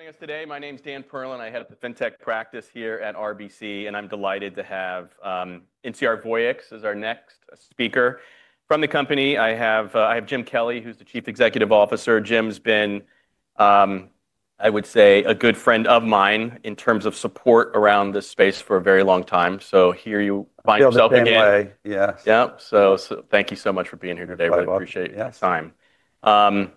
Joining us today. My name's Dan Perlin. I head up the FinTech practice here at RBC, and I'm delighted to have NCR Voyix as our next speaker. From the company, I have Jim Kelly, who's the Chief Executive Officer. Jim's been, I would say, a good friend of mine in terms of support around this space for a very long time. So here you find yourself again. I feel that way. Yes. Yeah. Thank you so much for being here today. I'd love it. I appreciate your time.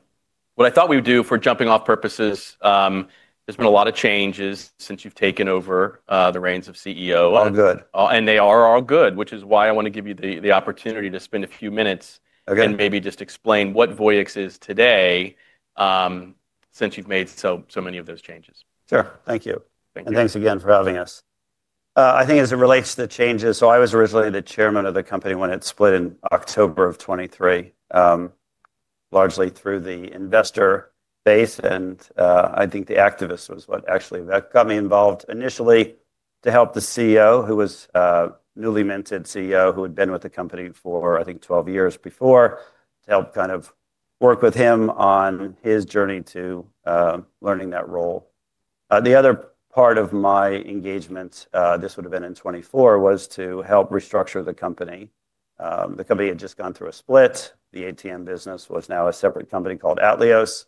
What I thought we would do for jumping-off purposes, there's been a lot of changes since you've taken over the reins of CEO. All good. They are all good, which is why I want to give you the opportunity to spend a few minutes and maybe just explain what Voyix is today since you've made so many of those changes. Sure. Thank you. Thanks again for having us. I think as it relates to the changes, I was originally the chairman of the company when it split in October of 2023, largely through the investor base. I think the activist was what actually got me involved initially to help the CEO, who was a newly minted CEO, who had been with the company for, I think, 12 years before, to help kind of work with him on his journey to learning that role. The other part of my engagement, this would have been in 2024, was to help restructure the company. The company had just gone through a split. The ATM business was now a separate company called Atleos.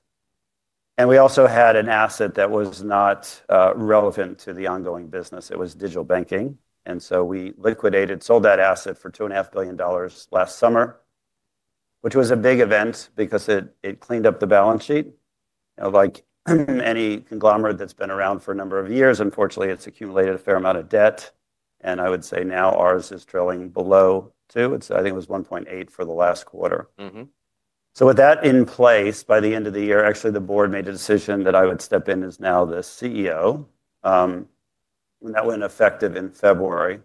We also had an asset that was not relevant to the ongoing business. It was digital banking. We liquidated, sold that asset for $2.5 billion last summer, which was a big event because it cleaned up the balance sheet. Like any conglomerate that has been around for a number of years, unfortunately, it has accumulated a fair amount of debt. I would say now ours is trailing below two. I think it was 1.8 for the last quarter. With that in place, by the end of the year, actually, the board made a decision that I would step in as now the CEO. That went effective in February.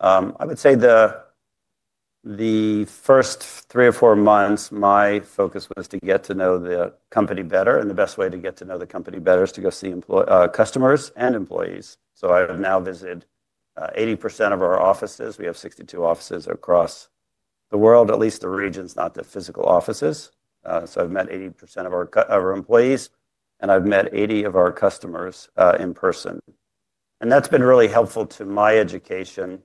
I would say the first three or four months, my focus was to get to know the company better. The best way to get to know the company better is to go see customers and employees. I have now visited 80% of our offices. We have 62 offices across the world, at least the regions, not the physical offices. I have met 80% of our employees, and I have met 80 of our customers in person. That has been really helpful to my education,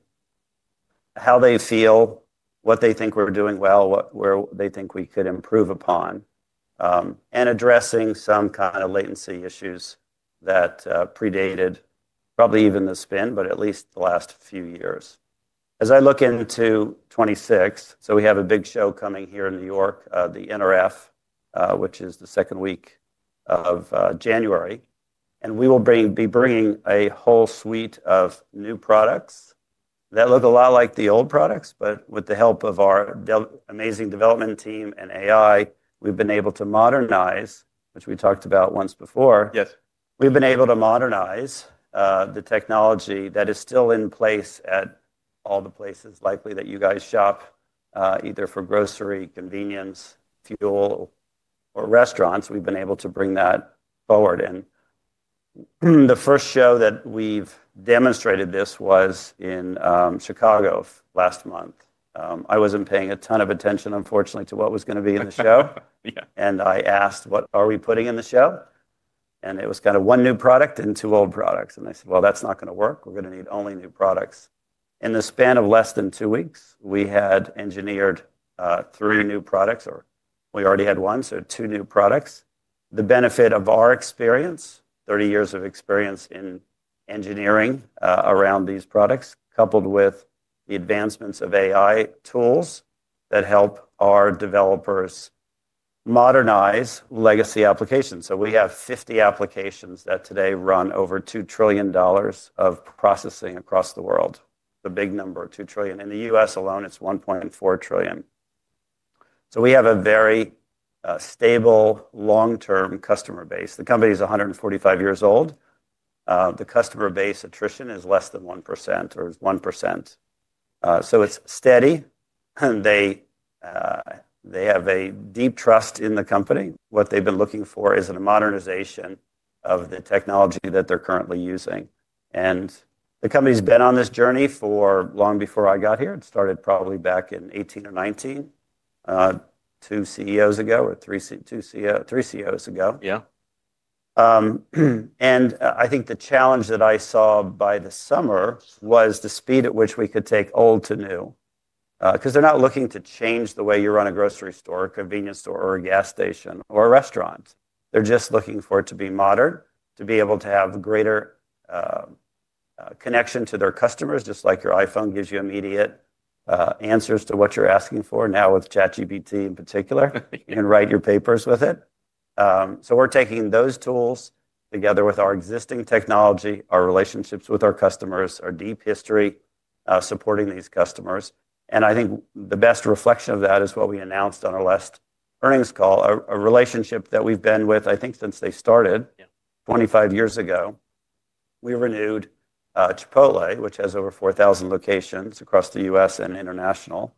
how they feel, what they think we are doing well, what they think we could improve upon, and addressing some kind of latency issues that predated probably even the spin, but at least the last few years. As I look into 2026, we have a big show coming here in New York, the NRF, which is the second week of January. We will be bringing a whole suite of new products that look a lot like the old products. With the help of our amazing development team and AI, we have been able to modernize, which we talked about once before. We've been able to modernize the technology that is still in place at all the places likely that you guys shop, either for grocery, convenience, fuel, or restaurants. We've been able to bring that forward. The first show that we've demonstrated this was in Chicago last month. I wasn't paying a ton of attention, unfortunately, to what was going to be in the show. I asked, "What are we putting in the show?" It was kind of one new product and two old products. I said, "That's not going to work. We're going to need only new products." In the span of less than two weeks, we had engineered three new products, or we already had one, so two new products. The benefit of our experience, 30 years of experience in engineering around these products, coupled with the advancements of AI tools that help our developers modernize legacy applications. We have 50 applications that today run over $2 trillion of processing across the world. It's a big number, $2 trillion. In the U.S. alone, it's $1.4 trillion. We have a very stable, long-term customer base. The company is 145 years old. The customer base attrition is less than 1% or 1%. It's steady. They have a deep trust in the company. What they've been looking for is a modernization of the technology that they're currently using. The company's been on this journey for long before I got here. It started probably back in 2018 or 2019, two CEOs ago or three CEOs ago. I think the challenge that I saw by the summer was the speed at which we could take old to new because they're not looking to change the way you run a grocery store, a convenience store, or a gas station or a restaurant. They're just looking for it to be modern, to be able to have greater connection to their customers, just like your iPhone gives you immediate answers to what you're asking for now with ChatGPT in particular, and write your papers with it. We are taking those tools together with our existing technology, our relationships with our customers, our deep history, supporting these customers. I think the best reflection of that is what we announced on our last earnings call, a relationship that we've been with, I think, since they started 25 years ago. We renewed Chipotle, which has over 4,000 locations across the US and international,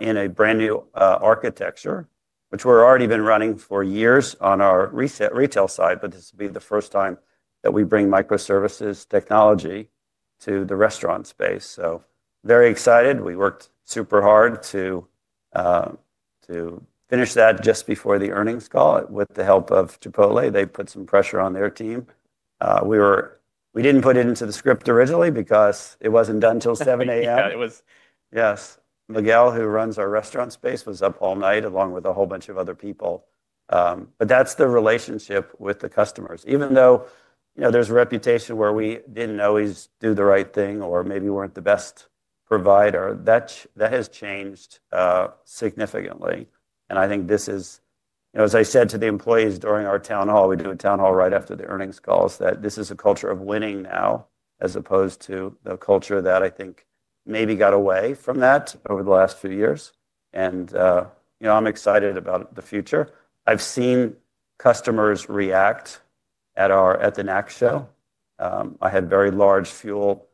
in a brand new architecture, which we've already been running for years on our retail side. This will be the first time that we bring microservices technology to the restaurant space. Very excited. We worked super hard to finish that just before the earnings call with the help of Chipotle. They put some pressure on their team. We did not put it into the script originally because it was not done until 7:00 A.M. Yeah. It was. Yes. Miguel, who runs our restaurant space, was up all night along with a whole bunch of other people. That is the relationship with the customers. Even though there is a reputation where we did not always do the right thing or maybe were not the best provider, that has changed significantly. I think this is, as I said to the employees during our town hall—we do a town hall right after the earnings calls—that this is a culture of winning now as opposed to the culture that I think maybe got away from that over the last few years. I am excited about the future. I have seen customers react at the KNX show. I had a very large fuel provider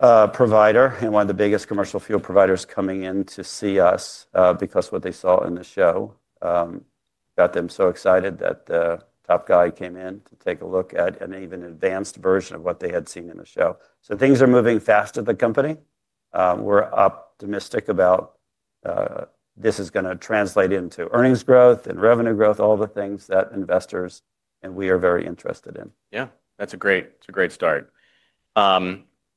and one of the biggest commercial fuel providers coming in to see us because of what they saw in the show. Got them so excited that the top guy came in to take a look at an even advanced version of what they had seen in the show. Things are moving fast at the company. We're optimistic about this is going to translate into earnings growth and revenue growth, all the things that investors and we are very interested in. Yeah. That's a great start.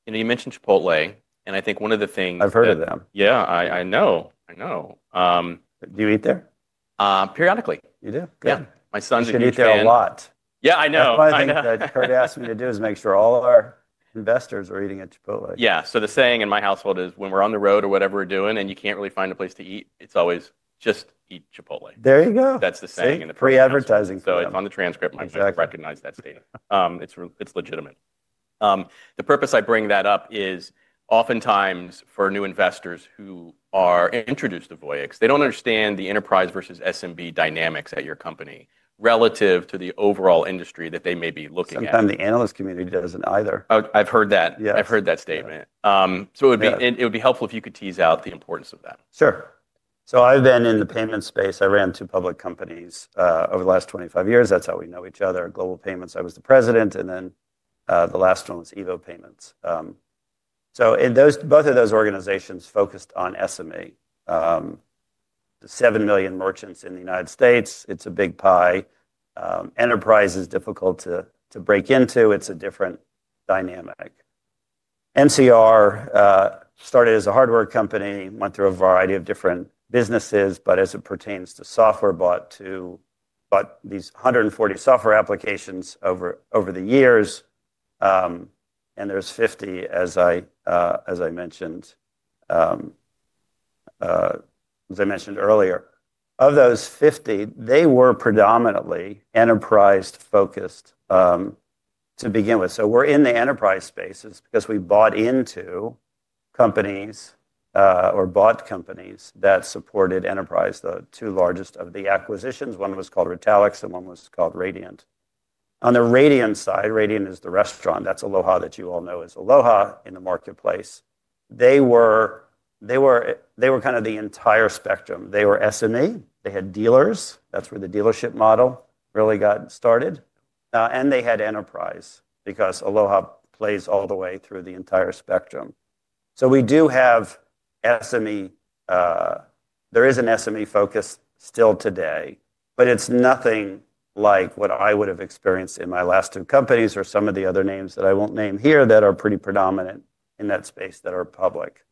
You mentioned Chipotle. I think one of the things that. I've heard of them. Yeah. I know. I know. Do you eat there? Periodically. You do? Yeah. My son's eating there. You should eat there a lot. Yeah, I know. I think that's what he asked me to do, is make sure all our investors are eating at Chipotle. Yeah. The saying in my household is when we're on the road or whatever we're doing and you can't really find a place to eat, it's always just eat Chipotle. There you go. That's the saying in the first place. It's pre-advertising for that. It's on the transcript. Exactly. My kids recognize that statement. It's legitimate. The purpose I bring that up is oftentimes for new investors who are introduced to Voyix, they don't understand the enterprise versus SMB dynamics at your company relative to the overall industry that they may be looking at. Sometimes the analyst community doesn't either. I've heard that. I've heard that statement. It would be helpful if you could tease out the importance of that. Sure. I've been in the payments space. I ran two public companies over the last 25 years. That's how we know each other, Global Payments. I was the president. The last one was Evo Payments. Both of those organizations focused on SME. Seven million merchants in the United States. It's a big pie. Enterprise is difficult to break into. It's a different dynamic. NCR started as a hardware company, went through a variety of different businesses. As it pertains to software, bought these 140 software applications over the years. There's 50, as I mentioned earlier. Of those 50, they were predominantly enterprise-focused to begin with. We're in the enterprise space because we bought into companies or bought companies that supported enterprise, the two largest of the acquisitions. One was called Retalix, and one was called Radiant. On the Radiant side, Radiant is the restaurant. That's Aloha that you all know as Aloha in the marketplace. They were kind of the entire spectrum. They were SME. They had dealers. That's where the dealership model really got started. They had enterprise because Aloha plays all the way through the entire spectrum. We do have SME. There is an SME focus still today, but it's nothing like what I would have experienced in my last two companies or some of the other names that I won't name here that are pretty predominant in that space that are public.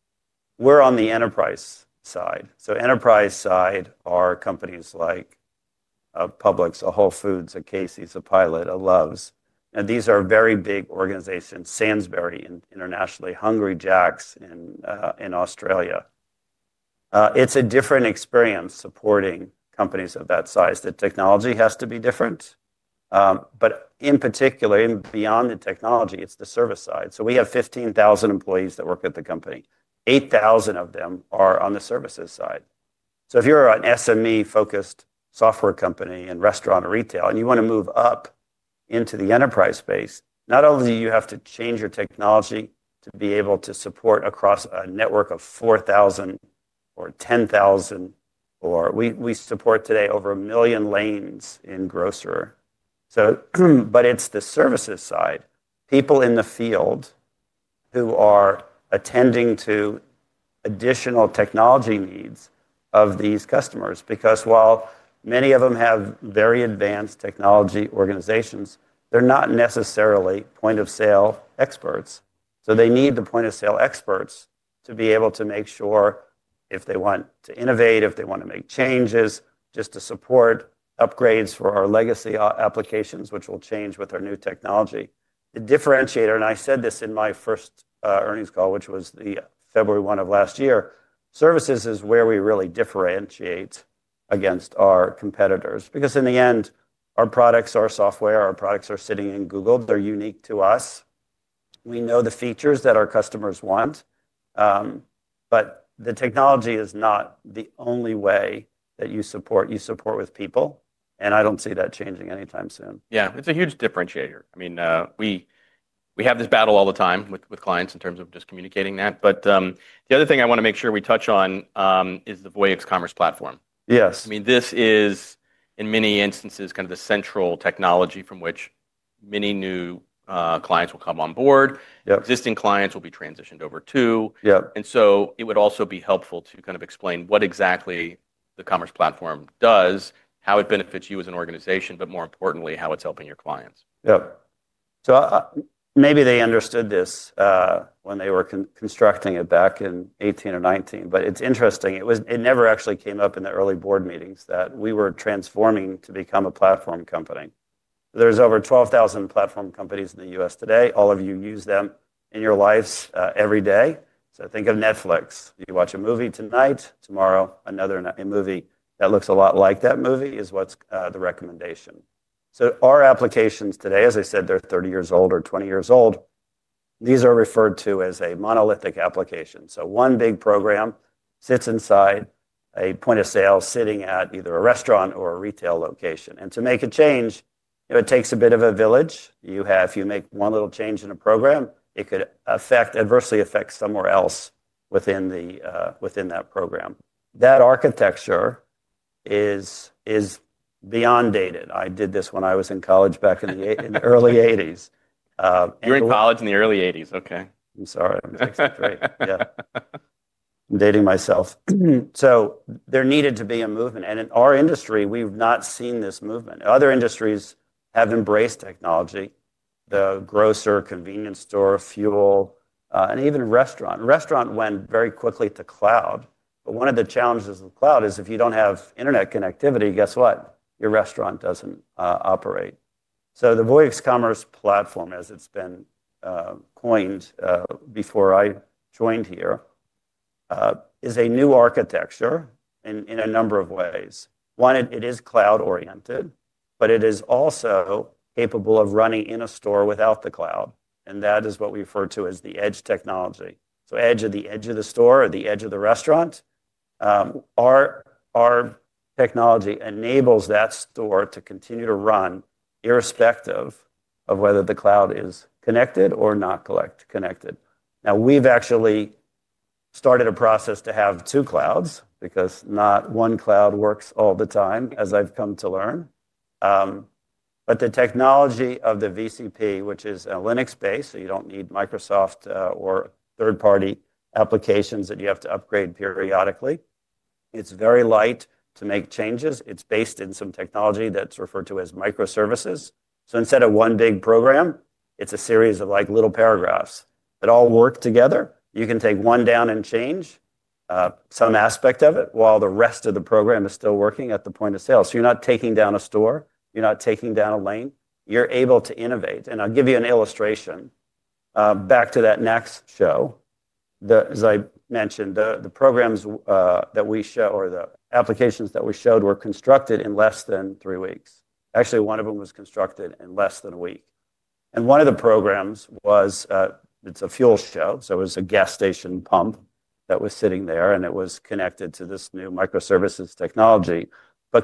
We're on the enterprise side. Enterprise side are companies like Publix, a Whole Foods, a Casey's, a Pilot, a Love's. These are very big organizations, Sainsbury's internationally, Hungry Jack's in Australia. It's a different experience supporting companies of that size. The technology has to be different. In particular, beyond the technology, it's the service side. We have 15,000 employees that work at the company. 8,000 of them are on the services side. If you're an SME-focused software company in restaurant or retail and you want to move up into the enterprise space, not only do you have to change your technology to be able to support across a network of 4,000 or 10,000, or we support today over a million lanes in grocery. It's the services side, people in the field who are attending to additional technology needs of these customers. Because while many of them have very advanced technology organizations, they're not necessarily point-of-sale experts. They need the point-of-sale experts to be able to make sure if they want to innovate, if they want to make changes, just to support upgrades for our legacy applications, which will change with our new technology. The differentiator, and I said this in my first earnings call, which was the February 1 of last year, services is where we really differentiate against our competitors. Because in the end, our products, our software, our products are sitting in Google. They're unique to us. We know the features that our customers want. The technology is not the only way that you support. You support with people. I don't see that changing anytime soon. Yeah. It's a huge differentiator. I mean, we have this battle all the time with clients in terms of just communicating that. The other thing I want to make sure we touch on is the Voyix Commerce Platform. I mean, this is, in many instances, kind of the central technology from which many new clients will come on board. Existing clients will be transitioned over to. It would also be helpful to kind of explain what exactly the commerce platform does, how it benefits you as an organization, but more importantly, how it's helping your clients. Yep. Maybe they understood this when they were constructing it back in 2018 or 2019. It is interesting. It never actually came up in the early board meetings that we were transforming to become a platform company. There are over 12,000 platform companies in the US today. All of you use them in your lives every day. Think of Netflix. You watch a movie tonight, tomorrow, another movie that looks a lot like that movie is what is the recommendation. Our applications today, as I said, they are 30 years old or 20 years old. These are referred to as a monolithic application. One big program sits inside a point of sale sitting at either a restaurant or a retail location. To make a change, it takes a bit of a village. If you make one little change in a program, it could adversely affect somewhere else within that program. That architecture is beyond dated. I did this when I was in college back in the early 1980s. You were in college in the early 1980s. Okay. I'm sorry. I'm 63. Yeah. I'm dating myself. There needed to be a movement. In our industry, we've not seen this movement. Other industries have embraced technology: the grocer, convenience store, fuel, and even restaurant. Restaurant went very quickly to cloud. One of the challenges of cloud is if you don't have internet connectivity, guess what? Your restaurant doesn't operate. The Voyix Commerce Platform, as it's been coined before I joined here, is a new architecture in a number of ways. One, it is cloud-oriented, but it is also capable of running in a store without the cloud. That is what we refer to as the edge technology. Edge at the edge of the store or the edge of the restaurant. Our technology enables that store to continue to run irrespective of whether the cloud is connected or not connected. Now, we've actually started a process to have two clouds because not one cloud works all the time, as I've come to learn. The technology of the VCP, which is Linux-based, so you don't need Microsoft or third-party applications that you have to upgrade periodically. It's very light to make changes. It's based in some technology that's referred to as microservices. Instead of one big program, it's a series of little paragraphs that all work together. You can take one down and change some aspect of it while the rest of the program is still working at the point of sale. You're not taking down a store. You're not taking down a lane. You're able to innovate. I'll give you an illustration. Back to that KNX show, as I mentioned, the programs that we show or the applications that we showed were constructed in less than three weeks. Actually, one of them was constructed in less than a week. One of the programs was it's a fuel show. It was a gas station pump that was sitting there. It was connected to this new microservices technology.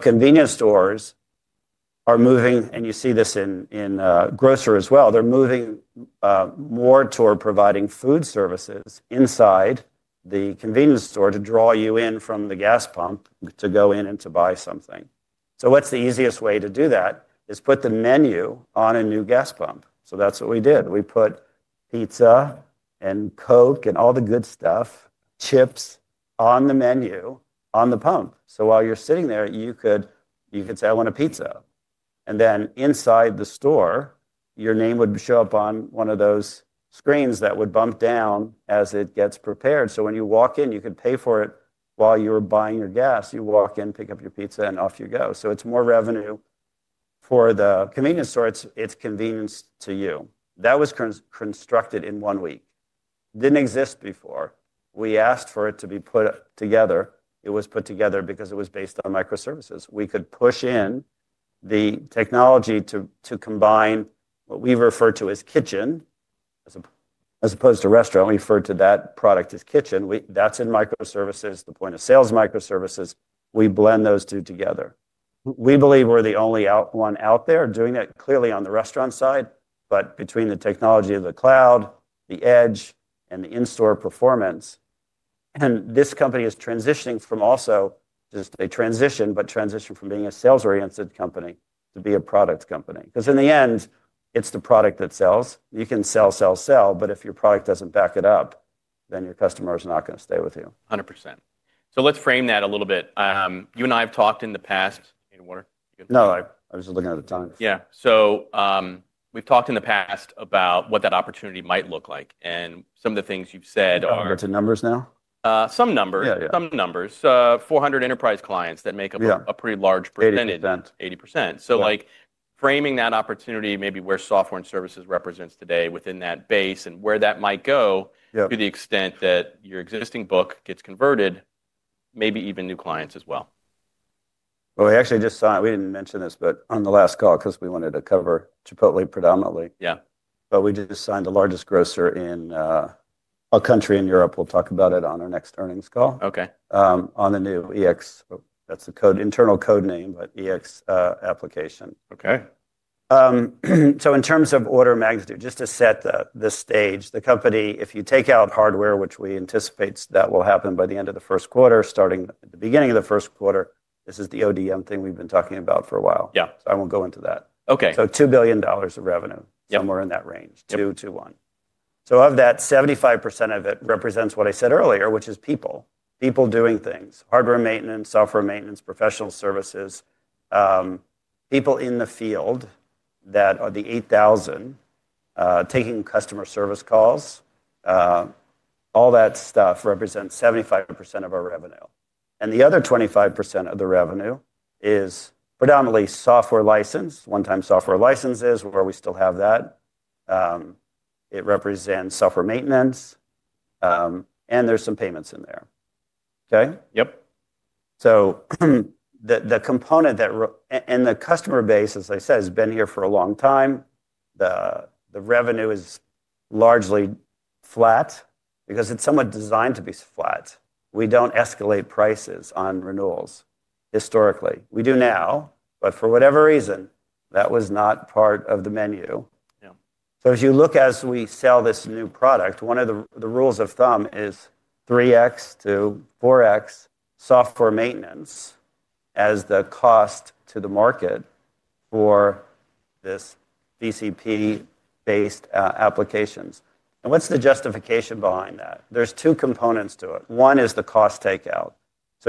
Convenience stores are moving, and you see this in grocery as well. They're moving more toward providing food services inside the convenience store to draw you in from the gas pump to go in and to buy something. What's the easiest way to do that is put the menu on a new gas pump. That's what we did. We put pizza and Coke and all the good stuff, chips on the menu on the pump. While you're sitting there, you could say, "I want a pizza." Inside the store, your name would show up on one of those screens that would bump down as it gets prepared. When you walk in, you could pay for it while you were buying your gas. You walk in, pick up your pizza, and off you go. It's more revenue for the convenience store. It's convenience to you. That was constructed in one week. Didn't exist before. We asked for it to be put together. It was put together because it was based on microservices. We could push in the technology to combine what we refer to as kitchen as opposed to restaurant. We refer to that product as kitchen. That's in microservices, the point of sales microservices. We blend those two together. We believe we're the only one out there doing that clearly on the restaurant side. Between the technology of the cloud, the edge, and the in-store performance, this company is transitioning from also just a transition, but transition from being a sales-oriented company to be a product company. Because in the end, it's the product that sells. You can sell, sell, sell. If your product doesn't back it up, then your customer is not going to stay with you. 100%. Let's frame that a little bit. You and I have talked in the past. No, I was just looking at the time. Yeah. We have talked in the past about what that opportunity might look like. Some of the things you have said are. Are there numbers now? Some numbers. Yeah, yeah. Some numbers. Four hundred enterprise clients that make up a pretty large percentage. 80%. 80%. Framing that opportunity, maybe where software and services represents today within that base and where that might go to the extent that your existing book gets converted, maybe even new clients as well. We actually just signed, we didn't mention this, but on the last call, because we wanted to cover Chipotle predominantly. Yeah. We just signed the largest grocer in a country in Europe. We'll talk about it on our next earnings call. Okay. On the new EX. That's the internal code name, but EX application. In terms of order magnitude, just to set the stage, the company, if you take out hardware, which we anticipate that will happen by the end of the first quarter, starting at the beginning of the first quarter, this is the ODM thing we've been talking about for a while. I won't go into that. Okay. $2 billion of revenue, somewhere in that range, two to one. Of that, 75% of it represents what I said earlier, which is people, people doing things, hardware maintenance, software maintenance, professional services, people in the field that are the 8,000 taking customer service calls. All that stuff represents 75% of our revenue. The other 25% of the revenue is predominantly software license, one-time software licenses, where we still have that. It represents software maintenance. There's some payments in there. Okay? Yep. The component that and the customer base, as I said, has been here for a long time. The revenue is largely flat because it's somewhat designed to be flat. We don't escalate prices on renewals historically. We do now, but for whatever reason, that was not part of the menu. As you look as we sell this new product, one of the rules of thumb is 3X-4X software maintenance as the cost to the market for this VCP-based applications. What's the justification behind that? There's two components to it. One is the cost takeout.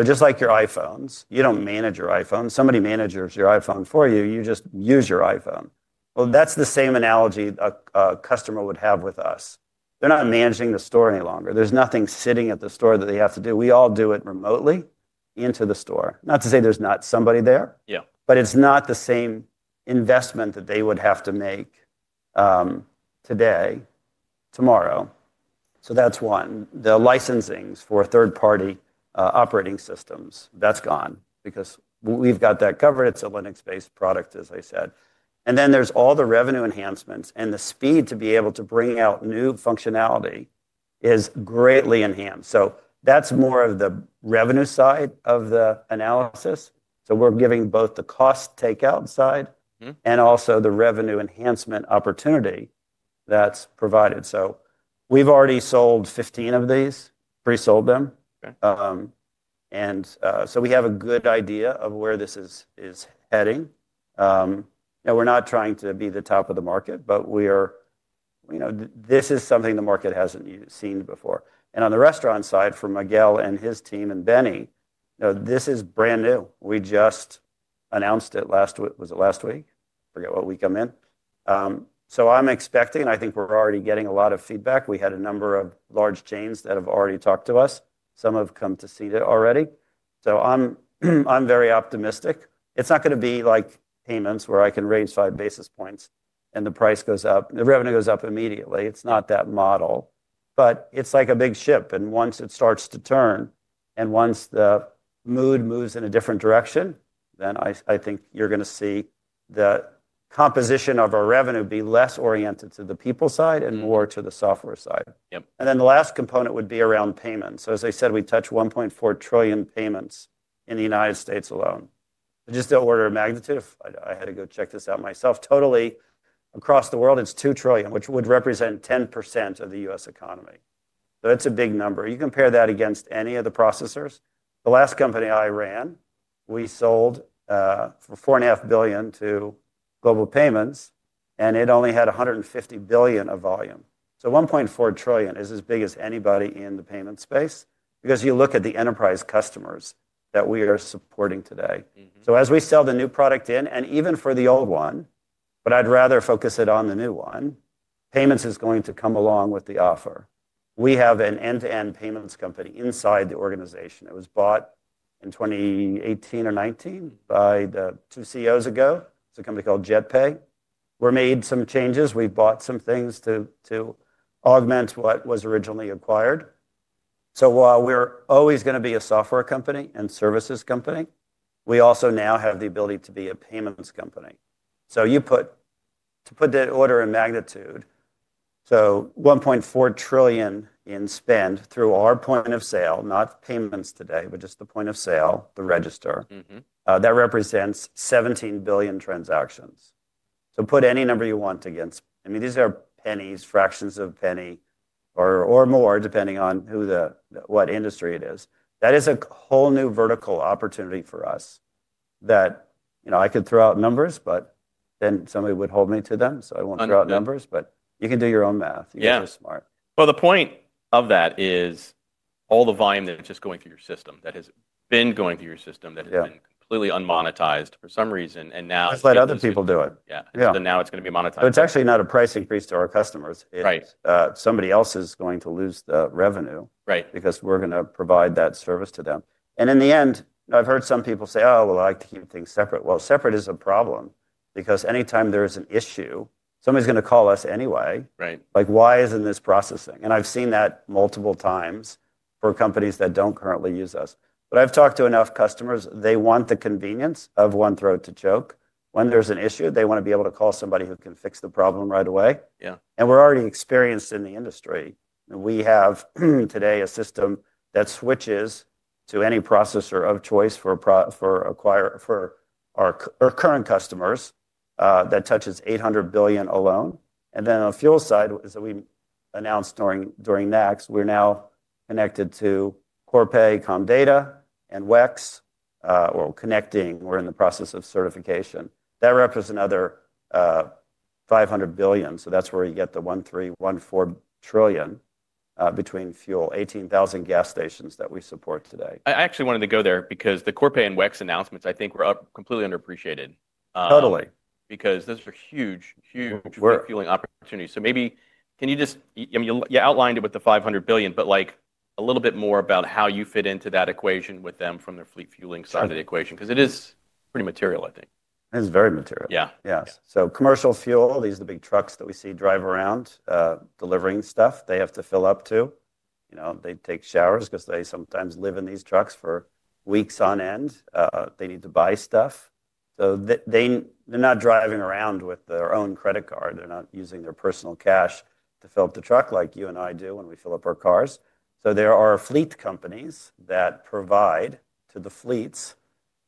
Just like your iPhones, you don't manage your iPhone. Somebody manages your iPhone for you. You just use your iPhone. That's the same analogy a customer would have with us. They're not managing the store any longer. There's nothing sitting at the store that they have to do. We all do it remotely into the store. Not to say there's not somebody there. It's not the same investment that they would have to make today, tomorrow. That's one. The licensings for third-party operating systems, that's gone because we've got that covered. It's a Linux-based product, as I said. Then there's all the revenue enhancements. The speed to be able to bring out new functionality is greatly enhanced. That's more of the revenue side of the analysis. We're giving both the cost takeout side and also the revenue enhancement opportunity that's provided. We've already sold 15 of these, pre-sold them. We have a good idea of where this is heading. We're not trying to be the top of the market, but this is something the market hasn't seen before. On the restaurant side, for Miguel and his team and Benny, this is brand new. We just announced it last week. Was it last week? Forget what week I'm in. I'm expecting, and I think we're already getting a lot of feedback. We had a number of large chains that have already talked to us. Some have come to see it already. I'm very optimistic. It's not going to be like payments where I can raise five basis points and the price goes up. The revenue goes up immediately. It's not that model. It's like a big ship. Once it starts to turn and once the mood moves in a different direction, I think you're going to see the composition of our revenue be less oriented to the people side and more to the software side. The last component would be around payments. As I said, we touch $1.4 trillion payments in the United States alone. Just to order magnitude, I had to go check this out myself, totally across the world, it is $2 trillion, which would represent 10% of the U.S. economy. It is a big number. You compare that against any of the processors. The last company I ran, we sold for $4.5 billion to Global Payments, and it only had $150 billion of volume. $1.4 trillion is as big as anybody in the payment space because you look at the enterprise customers that we are supporting today. As we sell the new product in, and even for the old one, but I would rather focus it on the new one, payments is going to come along with the offer. We have an end-to-end payments company inside the organization. It was bought in 2018 or 2019 by the two CEOs ago. It's a company called JetPay. We made some changes. We bought some things to augment what was originally acquired. While we're always going to be a software company and services company, we also now have the ability to be a payments company. To put that order in magnitude, $1.4 trillion in spend through our point of sale, not payments today, but just the point of sale, the register, that represents 17 billion transactions. Put any number you want against. I mean, these are pennies, fractions of a penny, or more depending on what industry it is. That is a whole new vertical opportunity for us that I could throw out numbers, but then somebody would hold me to them. I won't throw out numbers, but you can do your own math. You can be smart. Yeah. The point of that is all the volume that's just going through your system that has been going through your system that has been completely unmonetized for some reason. And now. Just let other people do it. Yeah. Now it's going to be monetized. It is actually not a price increase to our customers. Right. Somebody else is going to lose the revenue. Because we're going to provide that service to them. In the end, I've heard some people say, "Oh, well, I like to keep things separate." Separate is a problem because anytime there is an issue, somebody's going to call us anyway. Like, why isn't this processing? I've seen that multiple times for companies that don't currently use us. I've talked to enough customers. They want the convenience of one throat to choke. When there's an issue, they want to be able to call somebody who can fix the problem right away. We're already experienced in the industry. We have today a system that switches to any processor of choice for our current customers that touches $800 billion alone. On the fuel side, as we announced during KNX, we're now connected to Corpay, Comdata, and WEX, or connecting. We're in the process of certification. That represents another $500 billion. That's where you get the $1.3 trillion-$1.4 trillion between fuel, 18,000 gas stations that we support today. I actually wanted to go there because the Corpay and WEX announcements, I think, were completely underappreciated. Totally. Because those are huge, huge fueling opportunities. Maybe can you just, you outlined it with the $500 billion, but a little bit more about how you fit into that equation with them from the fleet fueling side of the equation because it is pretty material, I think. It is very material. Yeah. Yes. Commercial fuel, these are the big trucks that we see drive around delivering stuff. They have to fill up too. They take showers because they sometimes live in these trucks for weeks on end. They need to buy stuff. They're not driving around with their own credit card. They're not using their personal cash to fill up the truck like you and I do when we fill up our cars. There are fleet companies that provide to the fleets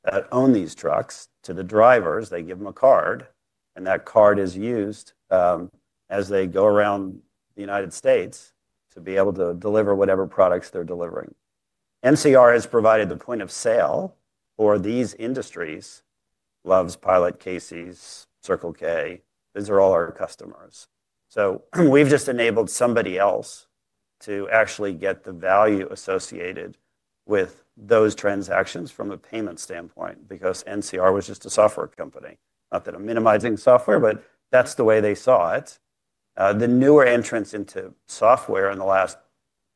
that own these trucks to the drivers. They give them a card, and that card is used as they go around the United States to be able to deliver whatever products they're delivering. NCR has provided the point of sale for these industries. Love's, Pilot, Casey's, Circle K. These are all our customers. We have just enabled somebody else to actually get the value associated with those transactions from a payment standpoint because NCR was just a software company. Not that I'm minimizing software, but that's the way they saw it. The newer entrants into software in the last,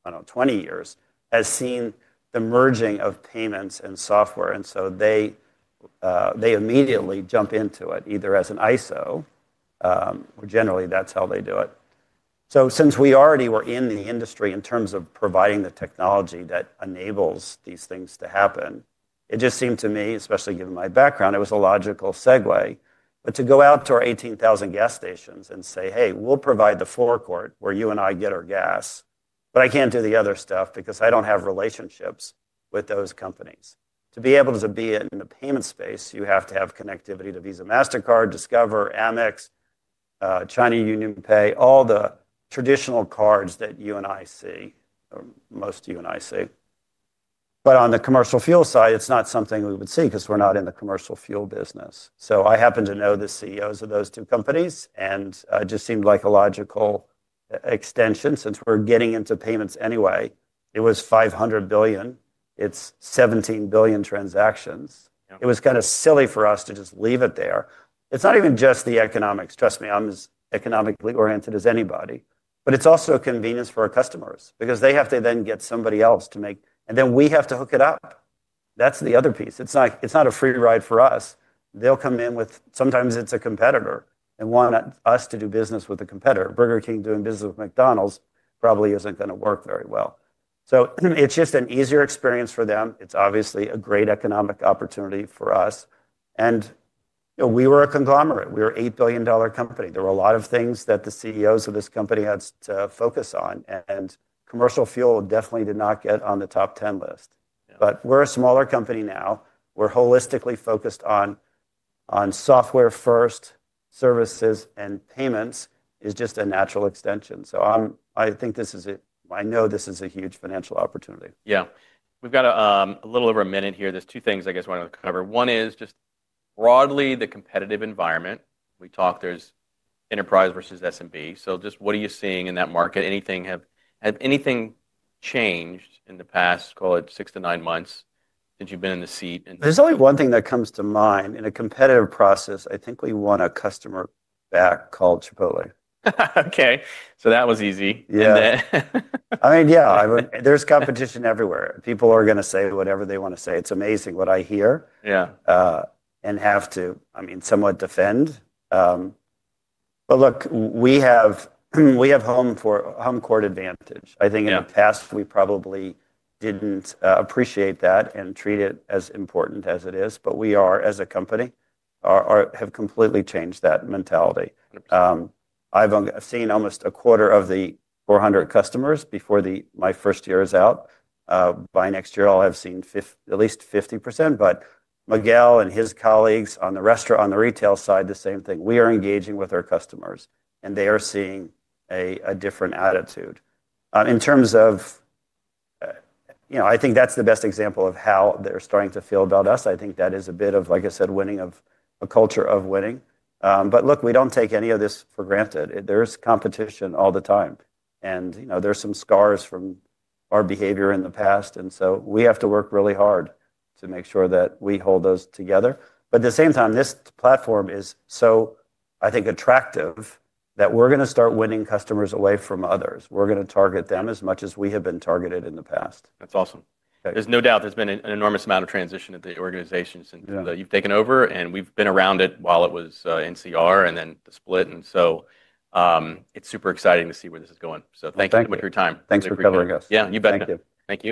I don't know, 20 years have seen the merging of payments and software. They immediately jump into it either as an ISO, or generally that's how they do it. Since we already were in the industry in terms of providing the technology that enables these things to happen, it just seemed to me, especially given my background, it was a logical segue. To go out to our 18,000 gas stations and say, "Hey, we'll provide the forecourt where you and I get our gas, but I can't do the other stuff because I don't have relationships with those companies." To be able to be in the payment space, you have to have connectivity to Visa, MasterCard, Discover, Amex, China Union Pay, all the traditional cards that you and I see, or most of you and I see. On the commercial fuel side, it's not something we would see because we're not in the commercial fuel business. I happen to know the CEOs of those two companies, and it just seemed like a logical extension since we're getting into payments anyway. It was $500 billion. It's 17 billion transactions. It was kind of silly for us to just leave it there. It's not even just the economics. Trust me, I'm as economically oriented as anybody. It's also convenience for our customers because they have to then get somebody else to make, and then we have to hook it up. That's the other piece. It's not a free ride for us. They'll come in with sometimes it's a competitor and want us to do business with a competitor. Burger King doing business with McDonald's probably isn't going to work very well. It's just an easier experience for them. It's obviously a great economic opportunity for us. We were a conglomerate. We were an $8 billion company. There were a lot of things that the CEOs of this company had to focus on. Commercial fuel definitely did not get on the top 10 list. We're a smaller company now. We're holistically focused on software-first services, and payments is just a natural extension. I think this is a I know this is a huge financial opportunity. Yeah. We've got a little over a minute here. There's two things, I guess, I want to cover. One is just broadly the competitive environment. We talked there's enterprise versus SMB. Just what are you seeing in that market? Has anything changed in the past, call it six to nine months since you've been in the seat? There's only one thing that comes to mind. In a competitive process, I think we won a customer back called Chipotle. Okay. So that was easy. Yeah. I mean, yeah. There's competition everywhere. People are going to say whatever they want to say. It's amazing what I hear. I mean, somewhat defend. Look, we have home court advantage. I think in the past, we probably did not appreciate that and treat it as important as it is. We are, as a company, have completely changed that mentality. I have seen almost a quarter of the 400 customers before my first year is out. By next year, I will have seen at least 50%. Miguel and his colleagues on the retail side, the same thing. We are engaging with our customers, and they are seeing a different attitude. In terms of, you know, I think that is the best example of how they are starting to feel about us. I think that is a bit of, like I said, winning, of a culture of winning. We do not take any of this for granted. There is competition all the time. There are some scars from our behavior in the past. We have to work really hard to make sure that we hold those together. At the same time, this platform is so, I think, attractive that we're going to start winning customers away from others. We're going to target them as much as we have been targeted in the past. That's awesome. There is no doubt there has been an enormous amount of transition at the organization since you have taken over. We have been around it while it was NCR and then the split. It is super exciting to see where this is going. Thank you so much for your time. Thanks for covering us. Yeah, you bet. Thank you.